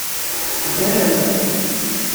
Ddan.